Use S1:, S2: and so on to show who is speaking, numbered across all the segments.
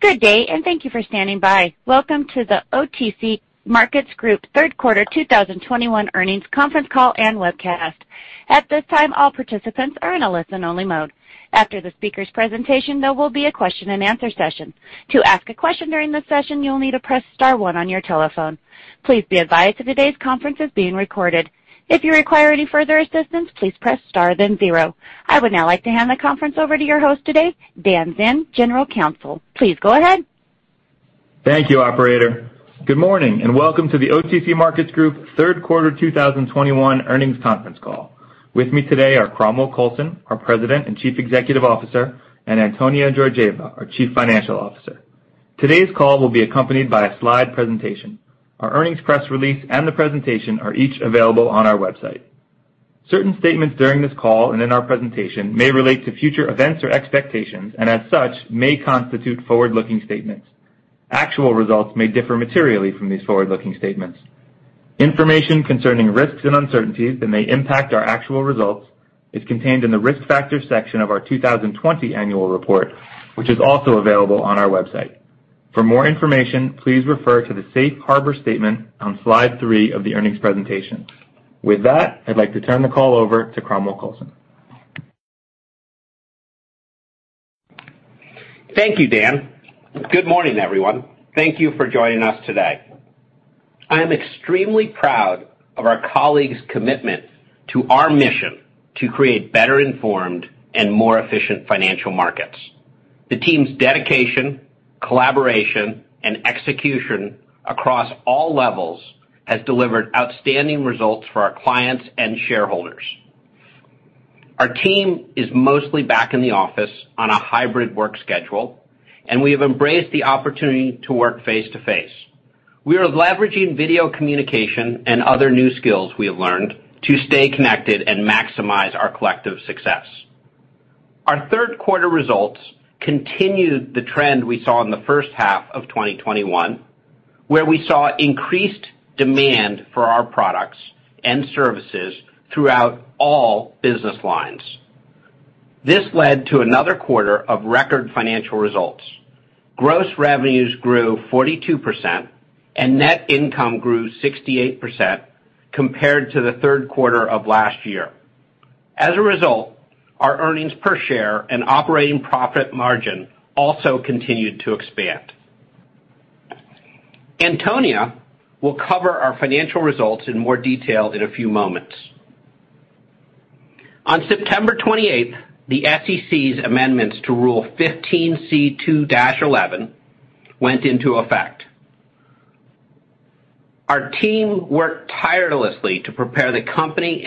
S1: Good day, and thank you for standing by. Welcome to the OTC Markets Group Third Quarter 2021 Earnings Conference Call and Webcast. At this time, all participants are in a listen-only mode. After the speaker's presentation, there will be a question and answer session. To ask a question during this session, you'll need to press star one on your telephone. Please be advised that today's conference is being recorded. If you require any further assistance, please press star then zero. I would now like to hand the conference over to your host today, Dan Zinn, General Counsel. Please go ahead.
S2: Thank you, Operator. Good morning, and welcome to the OTC Markets Group Third Quarter 2021 Earnings Conference Call. With me today are Cromwell Coulson, our President and Chief Executive Officer, and Antonia Georgieva, our Chief Financial Officer. Today's call will be accompanied by a slide presentation. Our earnings press release and the presentation are each available on our website. Certain statements during this call and in our presentation may relate to future events or expectations, and as such, may constitute forward-looking statements. Actual results may differ materially from these forward-looking statements. Information concerning risks and uncertainties that may impact our actual results is contained in the risk factors section of our 2020 annual report, which is also available on our website. For more information, please refer to the safe harbor statement on slide three of the earnings presentation. With that, I'd like to turn the call over to Cromwell Coulson.
S3: Thank you, Dan. Good morning, everyone. Thank you for joining us today. I am extremely proud of our colleagues' commitment to our mission to create better informed and more efficient financial markets. The team's dedication, collaboration, and execution across all levels has delivered outstanding results for our clients and shareholders. Our team is mostly back in the office on a hybrid work schedule, and we have embraced the opportunity to work face-to-face. We are leveraging video communication and other new skills we have learned to stay connected and maximize our collective success. Our third quarter results continued the trend we saw in the first half of 2021, where we saw increased demand for our products and services throughout all business lines. This led to another quarter of record financial results. Gross revenues grew 42%, and net income grew 68% compared to the third quarter of last year. As a result, our earnings per share and operating profit margin also continued to expand. Antonia will cover our financial results in more detail in a few moments. On September 28, the SEC's amendments to Rule 15c2-11 went into effect. Our team worked tirelessly to prepare the company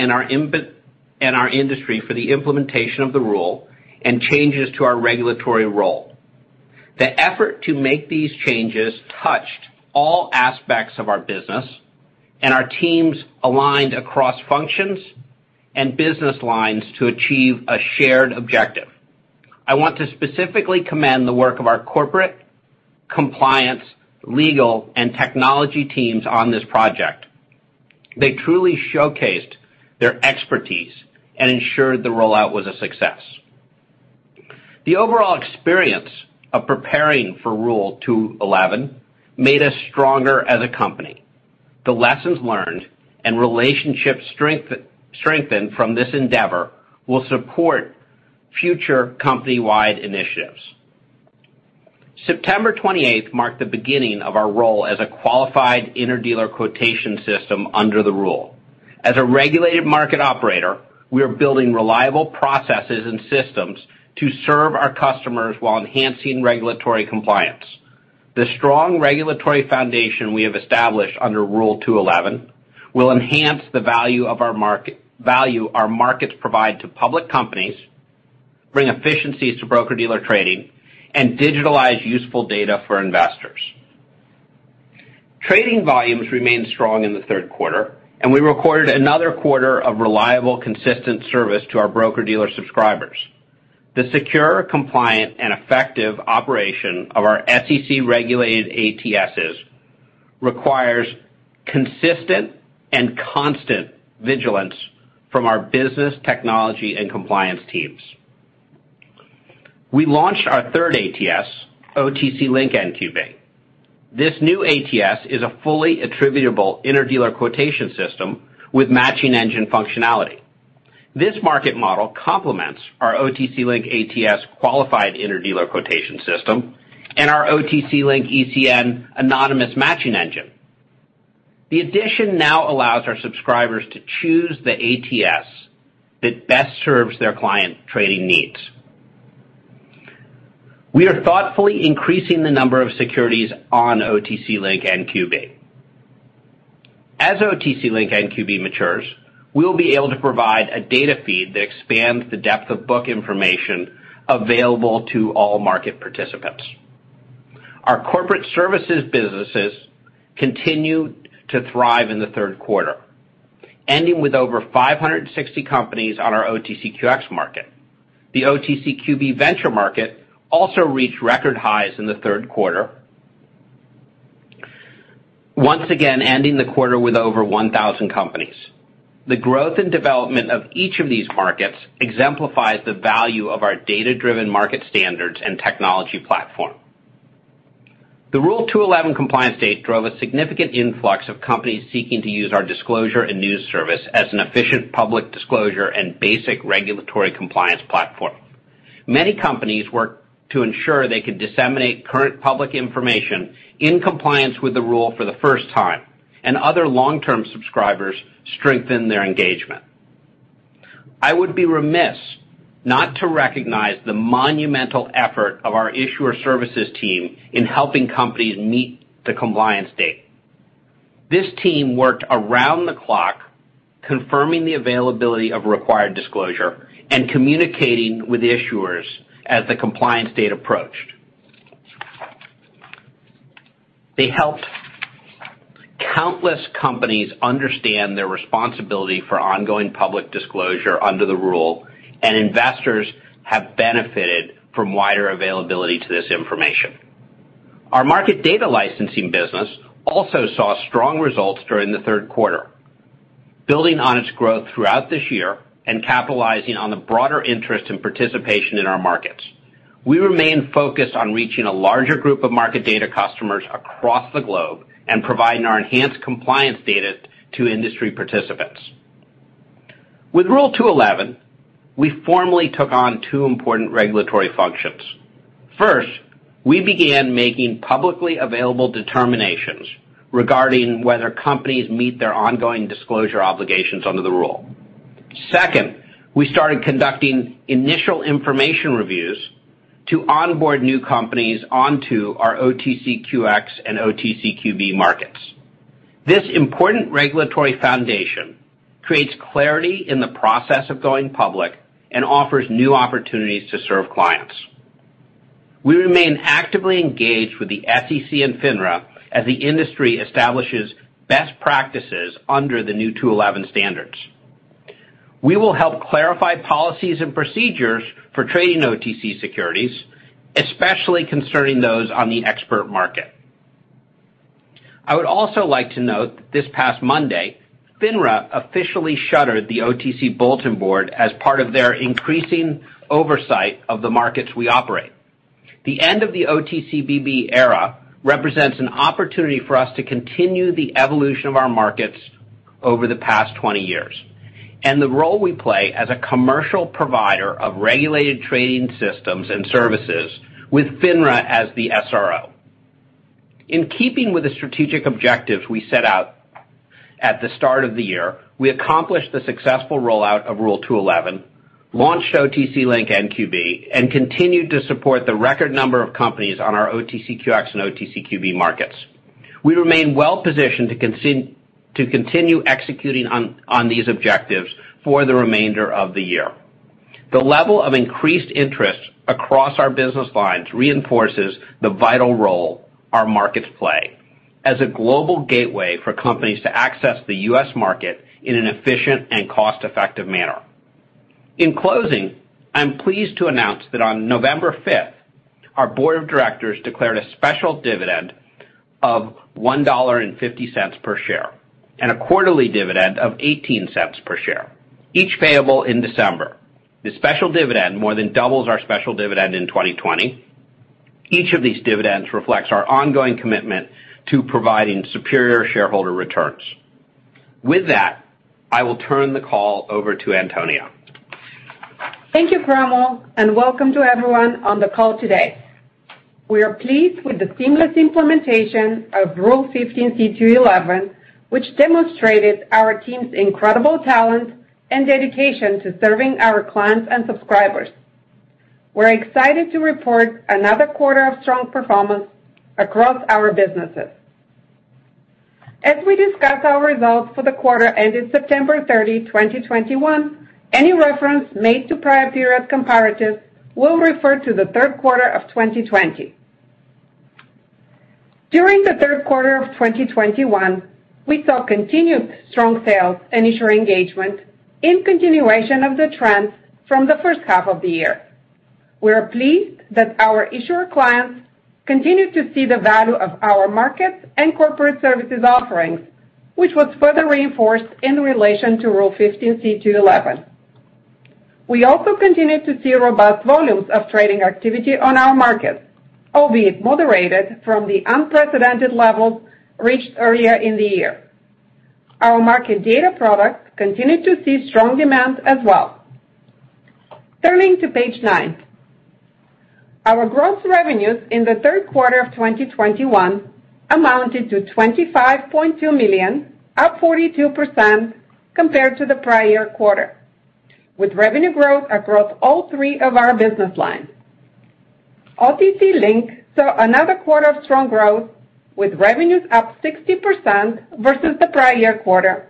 S3: and our industry for the implementation of the rule and changes to our regulatory role. The effort to make these changes touched all aspects of our business, and our teams aligned across functions and business lines to achieve a shared objective. I want to specifically commend the work of our corporate, compliance, legal, and technology teams on this project. They truly showcased their expertise and ensured the rollout was a success. The overall experience of preparing for Rule 211 made us stronger as a company. The lessons learned and relationships strengthened from this endeavor will support future company-wide initiatives. September 28th marked the beginning of our role as a qualified interdealer quotation system under the rule. As a regulated market operator, we are building reliable processes and systems to serve our customers while enhancing regulatory compliance. The strong regulatory foundation we have established under Rule 211 will enhance the value our markets provide to public companies, bring efficiencies to broker-dealer trading, and digitalize useful data for investors. Trading volumes remained strong in the third quarter, and we recorded another quarter of reliable, consistent service to our broker-dealer subscribers. The secure, compliant, and effective operation of our SEC-regulated ATSs requires consistent and constant vigilance from our business, technology, and compliance teams. We launched our third ATS, OTC Link NQB. This new ATS is a fully attributable interdealer quotation system with matching engine functionality. This market model complements our OTC Link ATS qualified interdealer quotation system and our OTC Link ECN anonymous matching engine. The addition now allows our subscribers to choose the ATS that best serves their client trading needs. We are thoughtfully increasing the number of securities on OTC Link NQB. As OTC Link NQB matures, we will be able to provide a data feed that expands the depth of book information available to all market participants. Our corporate services businesses continue to thrive in the third quarter, ending with over 560 companies on our OTCQX market. The OTCQB venture market also reached record highs in the third quarter, once again ending the quarter with over 1,000 companies. The growth and development of each of these markets exemplifies the value of our data-driven market standards and technology platform. The Rule 211 compliance date drove a significant influx of companies seeking to use our Disclosure and News Service as an efficient public disclosure and basic regulatory compliance platform. Many companies worked to ensure they could disseminate current public information in compliance with the rule for the first time, and other long-term subscribers strengthened their engagement. I would be remiss not to recognize the monumental effort of our issuer services team in helping companies meet the compliance date. This team worked around the clock, confirming the availability of required disclosure and communicating with issuers as the compliance date approached. They helped countless companies understand their responsibility for ongoing public disclosure under the rule, and investors have benefited from wider availability to this information. Our market data licensing business also saw strong results during the third quarter, building on its growth throughout this year and capitalizing on the broader interest and participation in our markets. We remain focused on reaching a larger group of market data customers across the globe and providing our enhanced compliance data to industry participants. With Rule 211, we formally took on two important regulatory functions. First, we began making publicly available determinations regarding whether companies meet their ongoing disclosure obligations under the rule. Second, we started conducting initial information reviews to onboard new companies onto our OTCQX and OTCQB markets. This important regulatory foundation creates clarity in the process of going public and offers new opportunities to serve clients. We remain actively engaged with the SEC and FINRA as the industry establishes best practices under the new 211 standards. We will help clarify policies and procedures for trading OTC securities, especially concerning those on the Expert Market. I would also like to note that this past Monday, FINRA officially shuttered the OTC Bulletin Board as part of their increasing oversight of the markets we operate. The end of the OTCBB era represents an opportunity for us to continue the evolution of our markets over the past 20 years and the role we play as a commercial provider of regulated trading systems and services with FINRA as the SRO. In keeping with the strategic objectives we set out at the start of the year, we accomplished the successful rollout of Rule 211, launched OTC Link NQB, and continued to support the record number of companies on our OTCQX and OTCQB markets. We remain well-positioned to continue executing on these objectives for the remainder of the year. The level of increased interest across our business lines reinforces the vital role our markets play as a global gateway for companies to access the U.S. market in an efficient and cost-effective manner. In closing, I'm pleased to announce that on November 5th, our Board of Directors declared a special dividend of $1.50 per share and a quarterly dividend of $0.18 per share, each payable in December. The special dividend more than doubles our special dividend in 2020. Each of these dividends reflects our ongoing commitment to providing superior shareholder returns. With that, I will turn the call over to Antonia.
S4: Thank you, Cromwell, and welcome to everyone on the call today. We are pleased with the seamless implementation of Rule 15c2-11, which demonstrated our team's incredible talent and dedication to serving our clients and subscribers. We're excited to report another quarter of strong performance across our businesses. As we discuss our results for the quarter ended September 30, 2021, any reference made to prior period comparatives will refer to the third quarter of 2020. During the third quarter of 2021, we saw continued strong sales and issuer engagement in continuation of the trends from the first half of the year. We are pleased that our issuer clients continued to see the value of our markets and corporate services offerings, which was further reinforced in relation to Rule 15c2-11. We also continued to see robust volumes of trading activity on our markets, albeit moderated from the unprecedented levels reached earlier in the year. Our market data products continued to see strong demand as well. Turning to page nine, our gross revenues in the third quarter of 2021 amounted to $25.2 million, up 42% compared to the prior quarter, with revenue growth across all three of our business lines. OTC Link saw another quarter of strong growth, with revenues up 60% versus the prior quarter,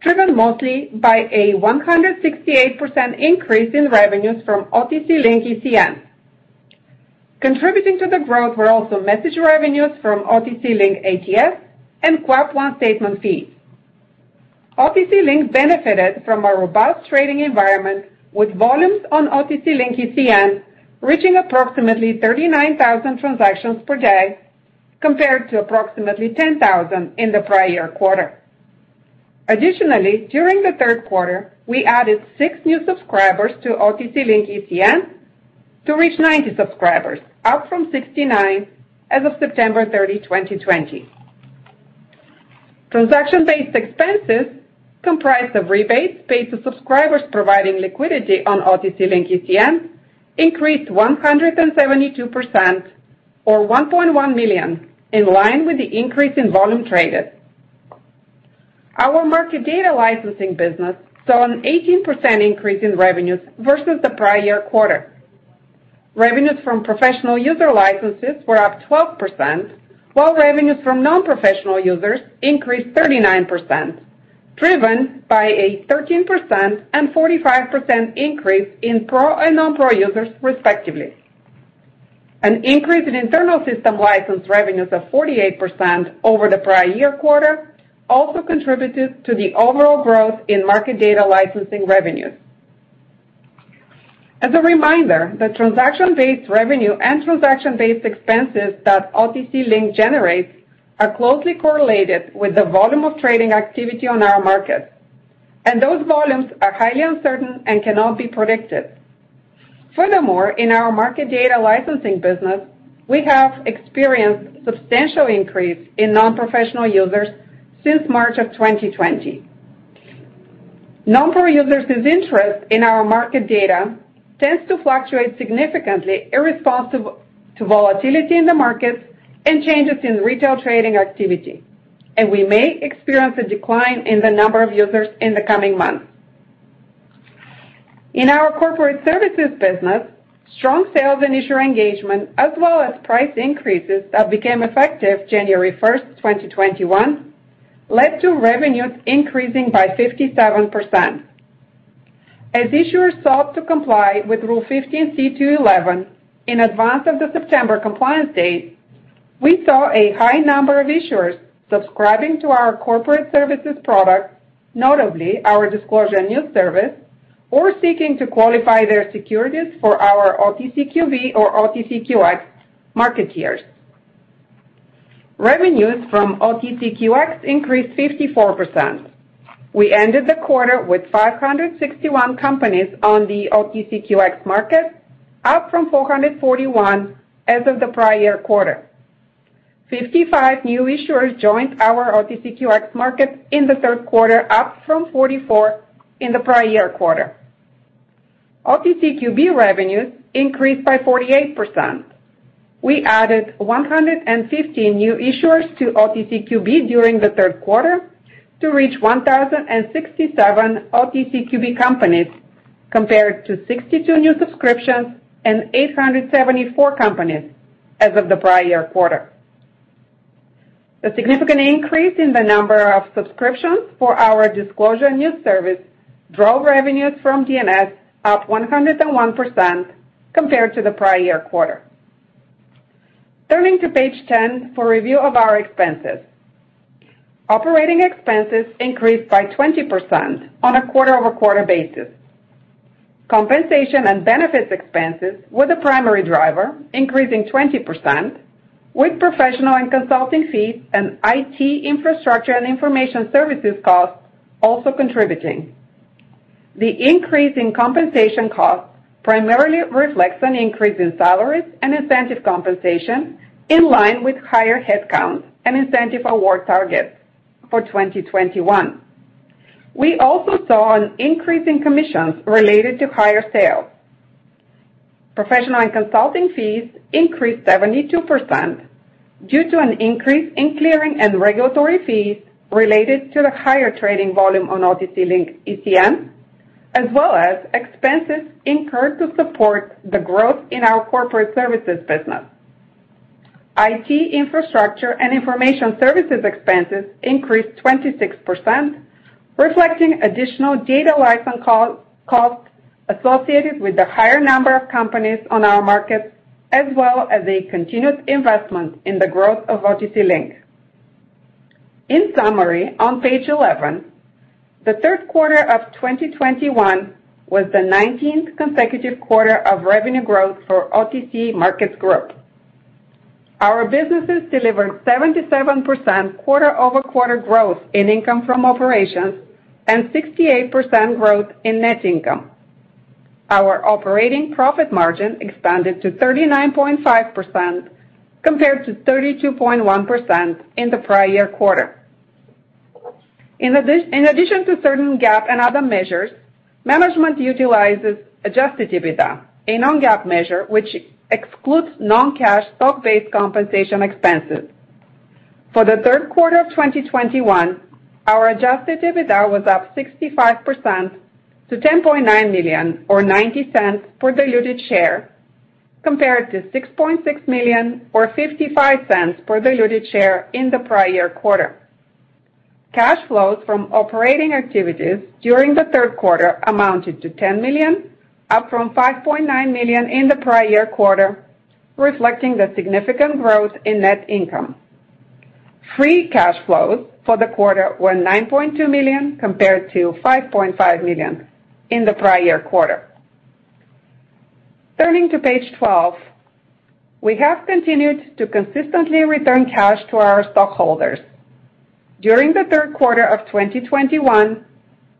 S4: driven mostly by a 168% increase in revenues from OTC Link ECN. Contributing to the growth were also message revenues from OTC Link ATS and QAP statement fees. OTC Link benefited from a robust trading environment, with volumes on OTC Link ECN reaching approximately 39,000 transactions per day compared to approximately 10,000 in the prior quarter. Additionally, during the third quarter, we added six new subscribers to OTC Link ECN to reach 90 subscribers, up from 69 as of September 30, 2020. Transaction-based expenses comprised of rebates paid to subscribers providing liquidity on OTC Link ECN increased 172%, or $1.1 million, in line with the increase in volume traded. Our market data licensing business saw an 18% increase in revenues versus the prior quarter. Revenues from professional user licenses were up 12%, while revenues from non-professional users increased 39%, driven by a 13% and 45% increase in pro and non-pro users, respectively. An increase in internal system license revenues of 48% over the prior year quarter also contributed to the overall growth in market data licensing revenues. As a reminder, the transaction-based revenue and transaction-based expenses that OTC Link generates are closely correlated with the volume of trading activity on our markets, and those volumes are highly uncertain and cannot be predicted. Furthermore, in our market data licensing business, we have experienced a substantial increase in non-professional users since March of 2020. Non-pro users' interest in our market data tends to fluctuate significantly in response to volatility in the markets and changes in retail trading activity, and we may experience a decline in the number of users in the coming months. In our corporate services business, strong sales and issuer engagement, as well as price increases that became effective January 1, 2021, led to revenues increasing by 57%. As issuers sought to comply with Rule 15c2-11 in advance of the September compliance date, we saw a high number of issuers subscribing to our corporate services products, notably our Disclosure and News Service, or seeking to qualify their securities for our OTCQB or OTCQX market tiers. Revenues from OTCQX increased 54%. We ended the quarter with 561 companies on the OTCQX market, up from 441 as of the prior quarter. 55 new issuers joined our OTCQX market in the third quarter, up from 44 in the prior quarter. OTCQB revenues increased by 48%. We added 115 new issuers to OTCQB during the third quarter to reach 1,067 OTCQB companies, compared to 62 new subscriptions and 874 companies as of the prior quarter. A significant increase in the number of subscriptions for our Disclosure and News Service drove revenues from DNS up 101% compared to the prior quarter. Turning to page 10 for review of our expenses, operating expenses increased by 20% on a quarter-over-quarter basis. Compensation and benefits expenses were the primary driver, increasing 20%, with professional and consulting fees and IT infrastructure and information services costs also contributing. The increase in compensation costs primarily reflects an increase in salaries and incentive compensation in line with higher headcount and incentive award targets for 2021. We also saw an increase in commissions related to higher sales. Professional and consulting fees increased 72% due to an increase in clearing and regulatory fees related to the higher trading volume on OTC Link ECN, as well as expenses incurred to support the growth in our corporate services business. IT infrastructure and information services expenses increased 26%, reflecting additional data license costs associated with the higher number of companies on our markets, as well as a continued investment in the growth of OTC Link. In summary, on page 11, the third quarter of 2021 was the 19th consecutive quarter of revenue growth for OTC Markets Group. Our businesses delivered 77% quarter-over-quarter growth in income from operations and 68% growth in net income. Our operating profit margin expanded to 39.5% compared to 32.1% in the prior quarter. In addition to certain GAAP and other measures, management utilizes adjusted EBITDA, a non-GAAP measure which excludes non-cash stock-based compensation expenses. For the third quarter of 2021, our adjusted EBITDA was up 65% to $10.9 million, or $0.90 per diluted share, compared to $6.6 million, or $0.55 per diluted share in the prior quarter. Cash flows from operating activities during the third quarter amounted to $10 million, up from $5.9 million in the prior quarter, reflecting the significant growth in net income. Free cash flows for the quarter were $9.2 million compared to $5.5 million in the prior quarter. Turning to page 12, we have continued to consistently return cash to our stockholders. During the third quarter of 2021,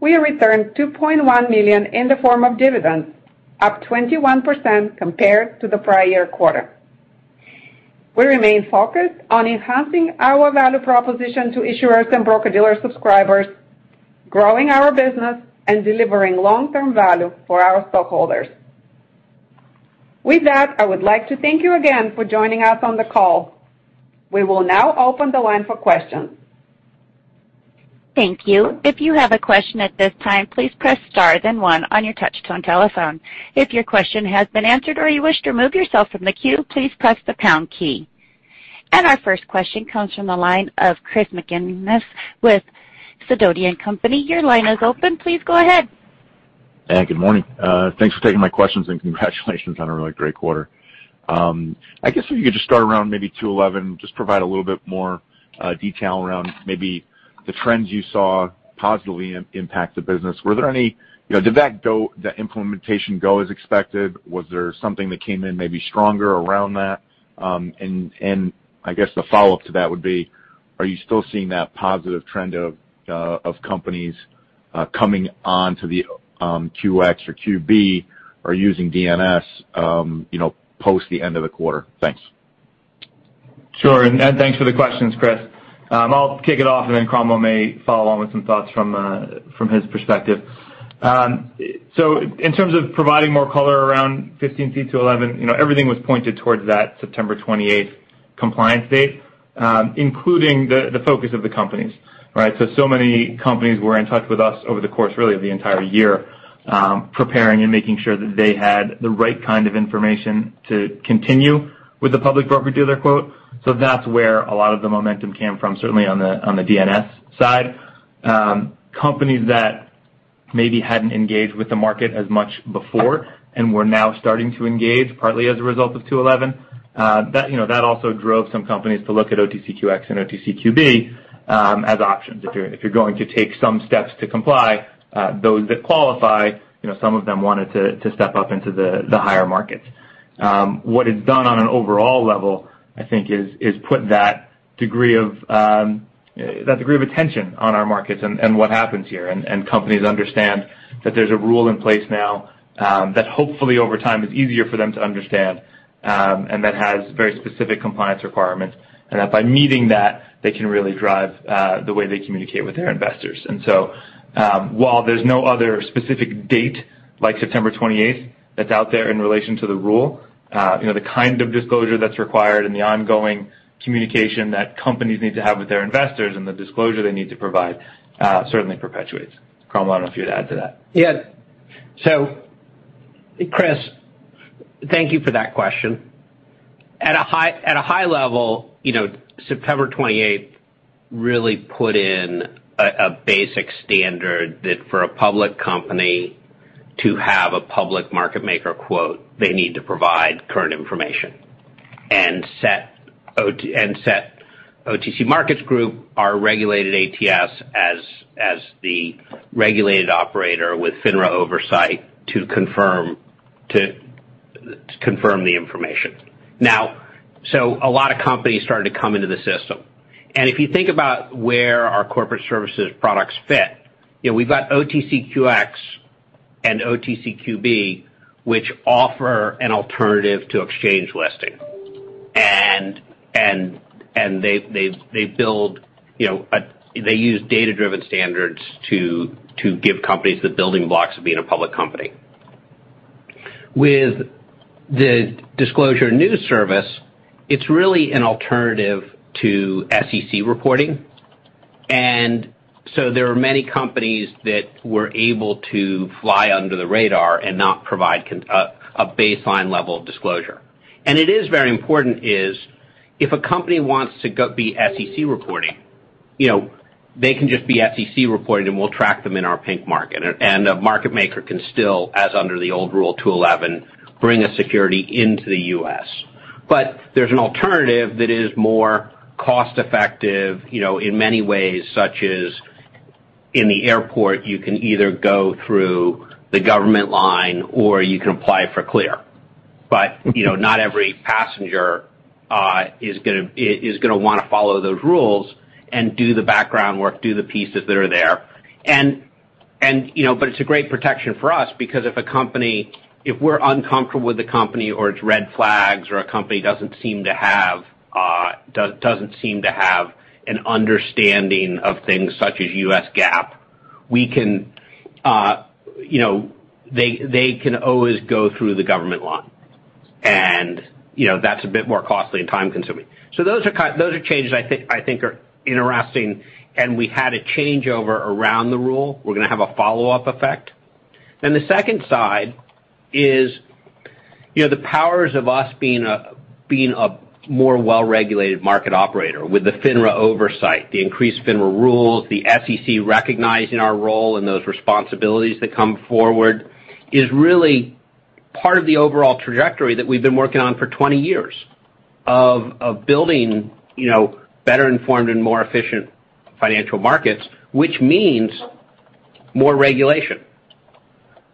S4: we returned $2.1 million in the form of dividends, up 21% compared to the prior quarter. We remain focused on enhancing our value proposition to issuers and broker-dealer subscribers, growing our business, and delivering long-term value for our stockholders. With that, I would like to thank you again for joining us on the call. We will now open the line for questions.
S1: Thank you. If you have a question at this time, please press star then one on your touch-tone telephone. If your question has been answered or you wish to remove yourself from the queue, please press the pound key. Our first question comes from the line of Chris [McInnes] with [Sedonian] Company. Your line is open. Please go ahead.
S5: Hey, good morning. Thanks for taking my questions and congratulations on a really great quarter. I guess if you could just start around maybe 211, just provide a little bit more detail around maybe the trends you saw positively impact the business. Were there any—did that implementation go as expected? Was there something that came in maybe stronger around that? I guess the follow-up to that would be, are you still seeing that positive trend of companies coming on to the QX or QB or using DNS post the end of the quarter? Thanks.
S2: Sure. Thanks for the questions, Chris. I'll kick it off, and then Cromwell may follow along with some thoughts from his perspective. In terms of providing more color around 15c2-11, everything was pointed towards that September 28th compliance date, including the focus of the companies. Many companies were in touch with us over the course, really, of the entire year, preparing and making sure that they had the right kind of information to continue with the public broker-dealer quote. That's where a lot of the momentum came from, certainly on the DNS side. Companies that maybe hadn't engaged with the market as much before and were now starting to engage, partly as a result of 211, that also drove some companies to look at OTCQX and OTCQB as options. If you're going to take some steps to comply, those that qualify, some of them wanted to step up into the higher markets. What it's done on an overall level, I think, is put that degree of attention on our markets and what happens here. Companies understand that there's a rule in place now that hopefully, over time, is easier for them to understand and that has very specific compliance requirements. By meeting that, they can really drive the way they communicate with their investors. While there's no other specific date like September 28th that's out there in relation to the rule, the kind of disclosure that's required and the ongoing communication that companies need to have with their investors and the disclosure they need to provide certainly perpetuates. Cromwell, I don't know if you'd add to that.
S3: Yeah. Chris, thank you for that question. At a high level, September 28th really put in a basic standard that for a public company to have a public market maker quote, they need to provide current information. It set OTC Markets Group, our regulated ATS, as the regulated operator with FINRA oversight to confirm the information. A lot of companies started to come into the system. If you think about where our corporate services products fit, we've got OTCQX and OTCQB, which offer an alternative to exchange listing. They use data-driven standards to give companies the building blocks of being a public company. With the Disclosure and News Service, it's really an alternative to SEC reporting. There were many companies that were able to fly under the radar and not provide a baseline level of disclosure. It is very important if a company wants to be SEC reporting, they can just be SEC reported and we'll track them in our Pink Market. A market maker can still, as under the old Rule 211, bring a security into the U.S.. There is an alternative that is more cost-effective in many ways, such as in the airport, you can either go through the government line or you can apply for Clear. Not every passenger is going to want to follow those rules and do the background work, do the pieces that are there. It is a great protection for us because if a company—if we're uncomfortable with the company or it's red flags or a company doesn't seem to have—doesn't seem to have an understanding of things such as U.S. GAAP, we can—they can always go through the government line. That's a bit more costly and time-consuming. Those are changes I think are interesting. We had a changeover around the rule. We're going to have a follow-up effect. The second side is the powers of us being a more well-regulated market operator with the FINRA oversight, the increased FINRA rules, the SEC recognizing our role and those responsibilities that come forward is really part of the overall trajectory that we've been working on for 20 years of building better-informed and more efficient financial markets, which means more regulation.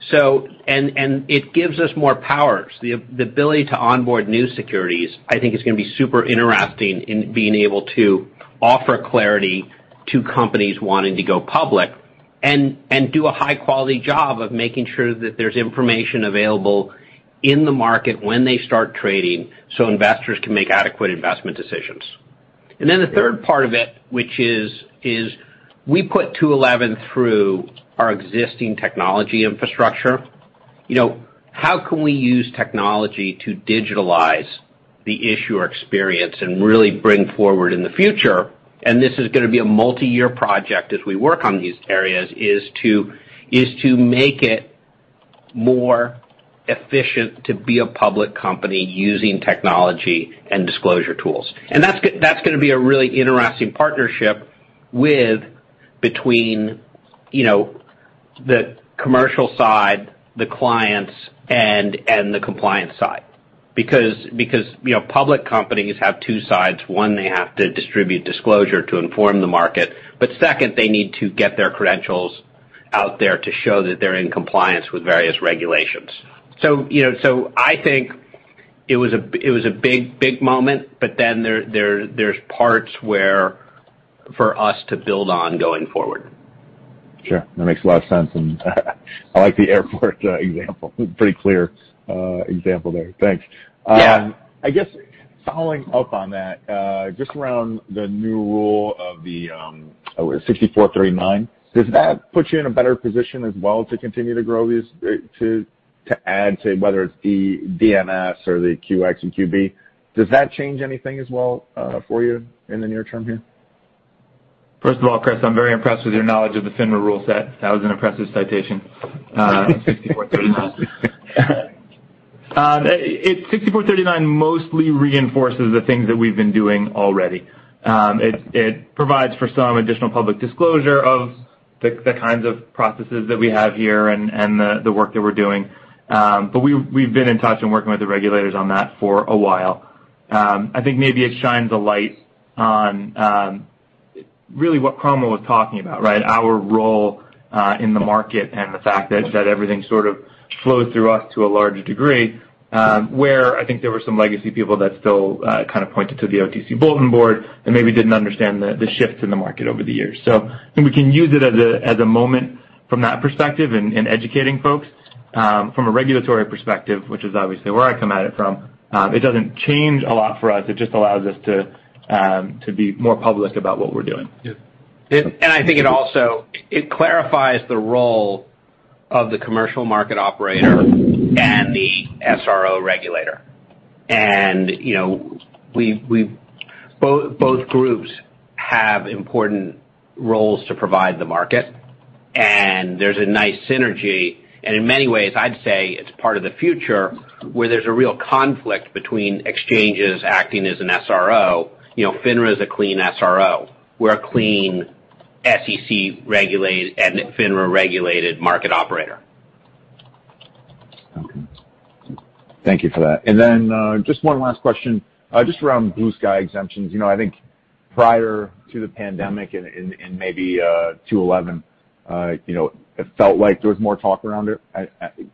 S3: It gives us more powers. The ability to onboard new securities, I think, is going to be super interesting in being able to offer clarity to companies wanting to go public and do a high-quality job of making sure that there's information available in the market when they start trading so investors can make adequate investment decisions. The third part of it, which is we put 211 through our existing technology infrastructure. How can we use technology to digitalize the issuer experience and really bring forward in the future? This is going to be a multi-year project as we work on these areas, to make it more efficient to be a public company using technology and disclosure tools. That's going to be a really interesting partnership between the commercial side, the clients, and the compliance side. Public companies have two sides. One, they have to distribute disclosure to inform the market. Second, they need to get their credentials out there to show that they're in compliance with various regulations. I think it was a big moment, but then there's parts where for us to build on going forward.
S6: Sure. That makes a lot of sense. I like the airport example. Pretty clear example there. Thanks. I guess following up on that, just around the new Rule of the 6439, does that put you in a better position as well to continue to grow these, to add, say, whether it's DNS or the QX and QB? Does that change anything as well for you in the near term here?
S2: First of all, Chris, I'm very impressed with your knowledge of the FINRA rule set. That was an impressive citation in 6439. 6439 mostly reinforces the things that we've been doing already. It provides for some additional public disclosure of the kinds of processes that we have here and the work that we're doing. We have been in touch and working with the regulators on that for a while. I think maybe it shines a light on really what Cromwell was talking about, our role in the market and the fact that everything sort of flows through us to a large degree, where I think there were some legacy people that still kind of pointed to the OTC Bulletin Board and maybe did not understand the shifts in the market over the years. I think we can use it as a moment from that perspective in educating folks. From a regulatory perspective, which is obviously where I come at it from, it does not change a lot for us. It just allows us to be more public about what we're doing.
S3: Yeah. I think it also clarifies the role of the commercial market operator and the SRO regulator. Both groups have important roles to provide the market. There's a nice synergy. In many ways, I'd say it's part of the future where there's a real conflict between exchanges acting as an SRO. FINRA is a clean SRO. We're a clean SEC regulated and FINRA regulated market operator.
S6: Okay. Thank you for that. Just one last question, just around blue sky exemptions. I think prior to the pandemic and maybe 211, it felt like there was more talk around it.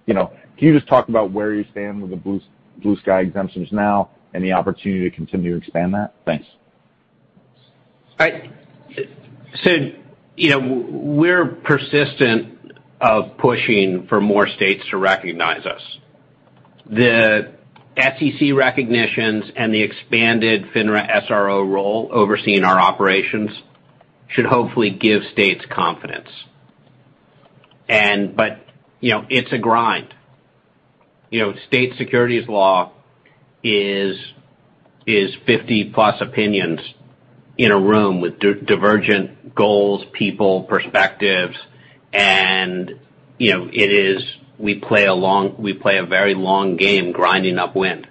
S6: Can you just talk about where you stand with the blue sky exemptions now and the opportunity to continue to expand that? Thanks.
S3: We're persistent of pushing for more states to recognize us. The SEC recognitions and the expanded FINRA SRO role overseeing our operations should hopefully give states confidence. It is a grind. State securities law is 50+ opinions in a room with divergent goals, people, perspectives. It is we play a very long game grinding up wind.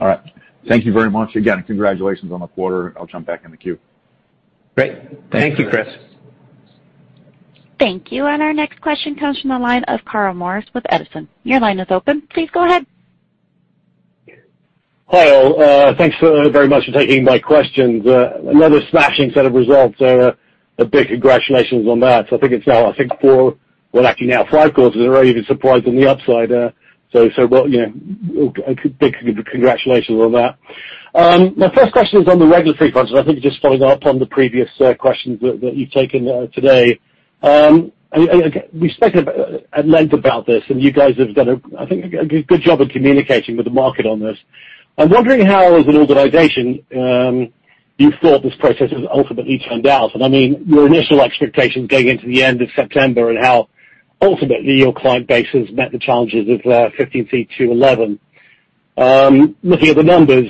S6: All right. Thank you very much. Again, congratulations on the quarter. I'll jump back in the queue.
S3: Great. Thank you, Chris.
S1: Thank you. Our next question comes from the line of [Carl Morris] with Edison. Your line is open. Please go ahead.
S7: Hi. Thanks very much for taking my questions. Another smashing set of results. A big congratulations on that. I think it's now, I think, four, actually now five calls. It's already been surprised on the upside. So big congratulations on that. My first question is on the regulatory front. I think just following up on the previous questions that you've taken today, we spoke at length about this. You guys have done, I think, a good job of communicating with the market on this. I'm wondering how, as an organization, you thought this process has ultimately turned out. I mean, your initial expectations going into the end of September and how ultimately your client base has met the challenges of 15c2-11. Looking at the numbers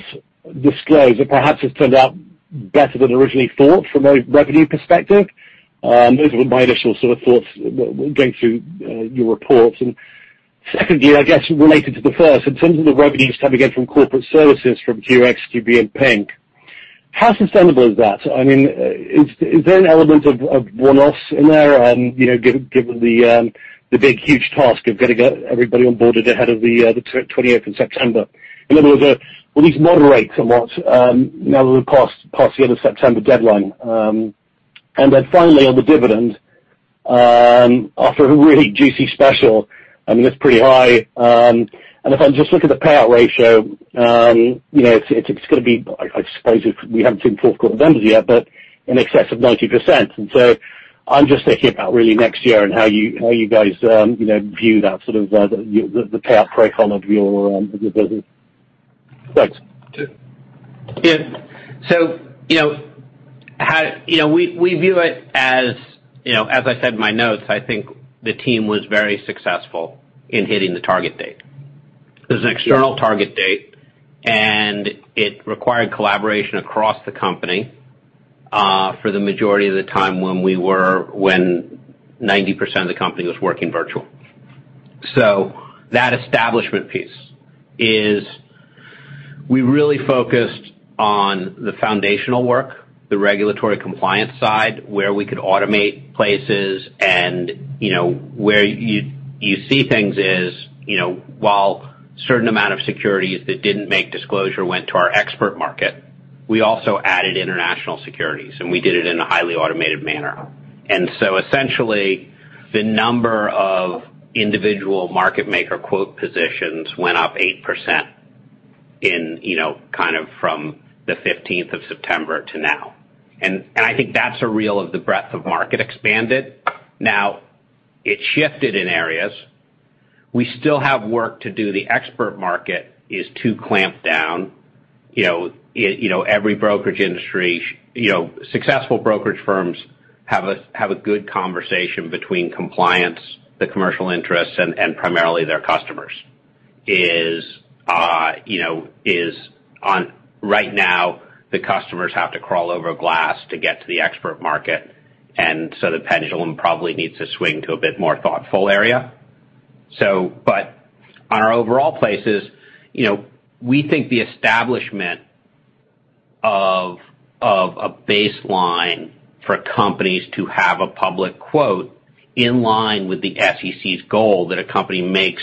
S7: disclosed, it perhaps has turned out better than originally thought from a revenue perspective. Those were my initial sort of thoughts going through your reports. Secondly, I guess related to the first, in terms of the revenues coming in from corporate services from QX, QB, and Pink, how sustainable is that? I mean, is there an element of one-offs in there given the big, huge task of getting everybody on board ahead of the 28th of September? In other words, will these moderate somewhat now that we've passed the end of September deadline? Finally, on the dividend, after a really juicy special, I mean, it's pretty high. If I just look at the payout ratio, it's going to be, I suppose, we haven't seen fourth-quarter numbers yet, but in excess of 90%. I'm just thinking about really next year and how you guys view that sort of the payout profile of your business. Thanks.
S3: Yeah. We view it as, as I said in my notes, I think the team was very successful in hitting the target date. There is an external target date. It required collaboration across the company for the majority of the time when 90% of the company was working virtual. That establishment piece is we really focused on the foundational work, the regulatory compliance side, where we could automate places. Where you see things is while a certain amount of securities that did not make disclosure went to our Expert Market, we also added international securities. We did it in a highly automated manner. Essentially, the number of individual market maker quote positions went up 8% from the 15th of September to now. I think that is a reel of the breadth of market expanded. It shifted in areas. We still have work to do. The Expert Market is too clamped down. Every brokerage industry, successful brokerage firms have a good conversation between compliance, the commercial interests, and primarily their customers. Is right now, the customers have to crawl over glass to get to the Expert Market. The pendulum probably needs to swing to a bit more thoughtful area. On our overall places, we think the establishment of a baseline for companies to have a public quote in line with the SEC's goal that a company makes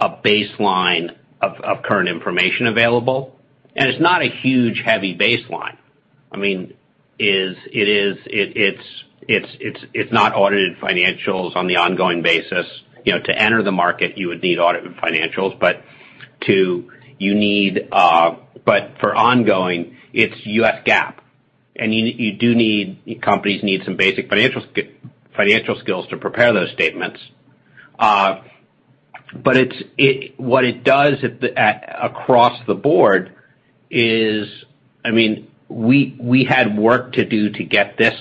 S3: a baseline of current information available. It's not a huge heavy baseline. I mean, it's not audited financials on the ongoing basis. To enter the market, you would need audited financials. For ongoing, it's U.S. GAAP. You do need companies need some basic financial skills to prepare those statements. What it does across the board is, I mean, we had work to do to get this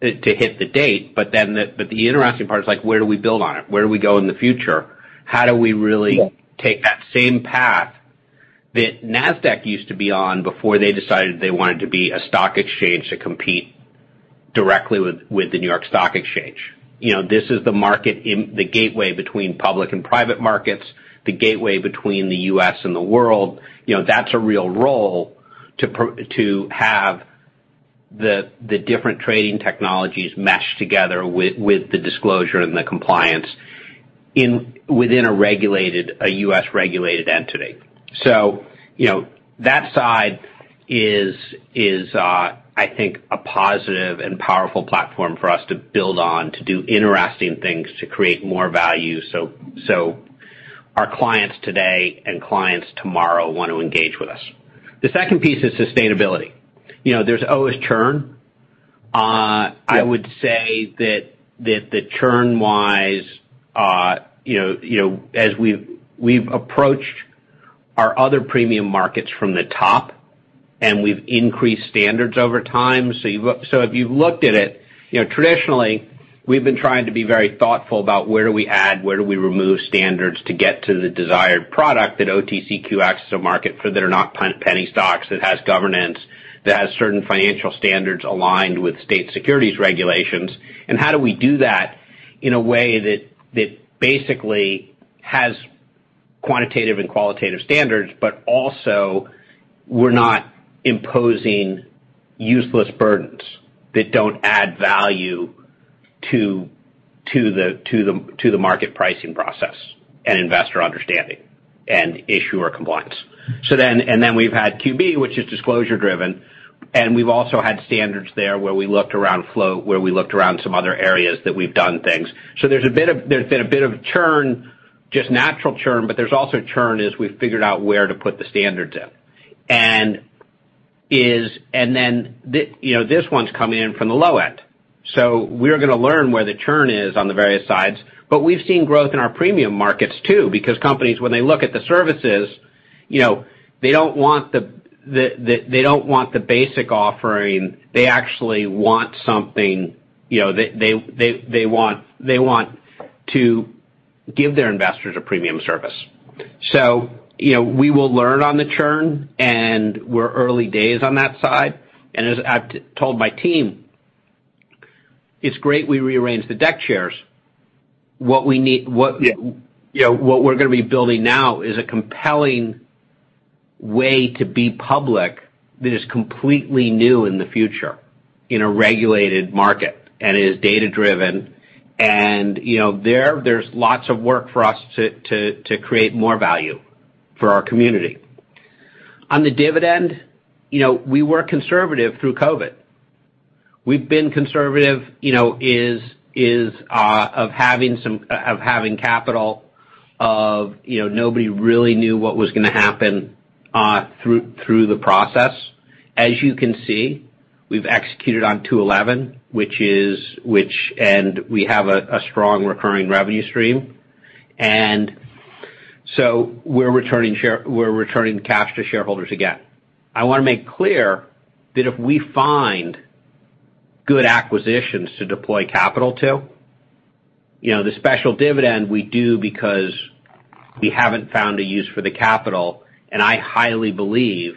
S3: to hit the date. The interesting part is like, where do we build on it? Where do we go in the future? How do we really take that same path that Nasdaq used to be on before they decided they wanted to be a stock exchange to compete directly with the New York Stock Exchange? This is the market, the gateway between public and private markets, the gateway between the U.S. and the world. That's a real role to have the different trading technologies meshed together with the disclosure and the compliance within a U.S.-regulated entity. That side is, I think, a positive and powerful platform for us to build on, to do interesting things, to create more value. Our clients today and clients tomorrow want to engage with us. The second piece is sustainability. There's always churn. I would say that churn-wise, as we've approached our other premium markets from the top, and we've increased standards over time. If you've looked at it, traditionally, we've been trying to be very thoughtful about where do we add, where do we remove standards to get to the desired product that OTCQX acts as a market for that are not penny stocks, that has governance, that has certain financial standards aligned with state securities regulations. How do we do that in a way that basically has quantitative and qualitative standards, but also we're not imposing useless burdens that don't add value to the market pricing process and investor understanding and issuer compliance? Then we've had QB, which is disclosure-driven. We have also had standards there where we looked around float, where we looked around some other areas that we have done things. There has been a bit of churn, just natural churn, but there is also churn as we have figured out where to put the standards in. This one is coming in from the low end. We are going to learn where the churn is on the various sides. We have seen growth in our premium markets too because companies, when they look at the services, they do not want the basic offering. They actually want something that they want to give their investors, a premium service. We will learn on the churn. We are early days on that side. As I have told my team, it is great we rearranged the deck chairs. What we're going to be building now is a compelling way to be public that is completely new in the future in a regulated market. It is data-driven. There's lots of work for us to create more value for our community. On the dividend, we were conservative through COVID. We've been conservative of having capital, of nobody really knew what was going to happen through the process. As you can see, we've executed on 211, which we have a strong recurring revenue stream. We're returning cash to shareholders again. I want to make clear that if we find good acquisitions to deploy capital to, the special dividend we do because we haven't found a use for the capital. I highly believe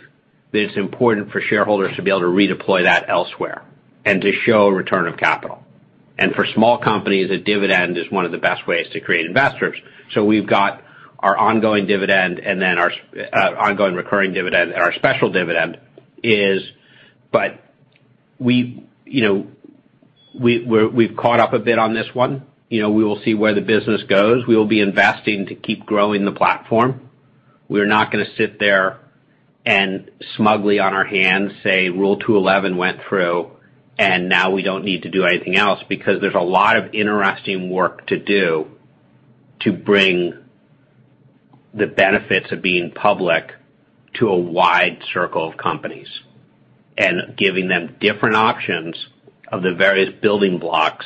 S3: that it's important for shareholders to be able to redeploy that elsewhere and to show return of capital. For small companies, a dividend is one of the best ways to create investors. We have our ongoing dividend and then our ongoing recurring dividend and our special dividend is. We have caught up a bit on this one. We will see where the business goes. We will be investing to keep growing the platform. We are not going to sit there and smugly on our hands say, "Rule 211 went through, and now we do not need to do anything else" because there is a lot of interesting work to do to bring the benefits of being public to a wide circle of companies and giving them different options of the various building blocks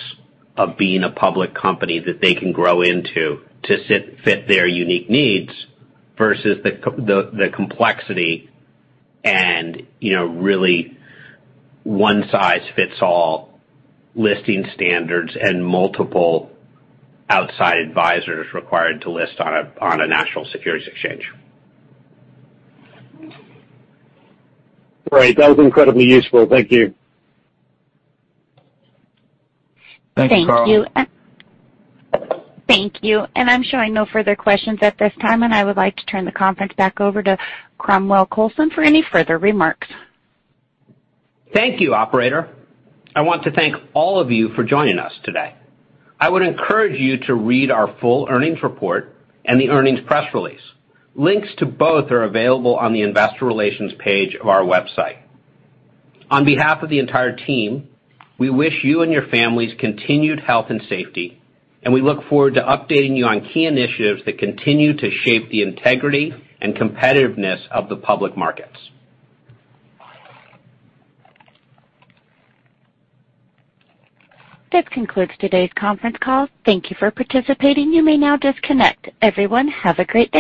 S3: of being a public company that they can grow into to fit their unique needs versus the complexity and really one-size-fits-all listing standards and multiple outside advisors required to list on a national securities exchange.
S8: Great. That was incredibly useful. Thank you.
S3: Thanks, Carl.
S1: Thank you. I have no further questions at this time. I would like to turn the conference back over to Cromwell Coulson for any further remarks.
S3: Thank you, operator. I want to thank all of you for joining us today. I would encourage you to read our full earnings report and the earnings press release. Links to both are available on the investor relations page of our website. On behalf of the entire team, we wish you and your families continued health and safety. We look forward to updating you on key initiatives that continue to shape the integrity and competitiveness of the public markets.
S1: This concludes today's conference call. Thank you for participating. You may now disconnect. Everyone, have a great day.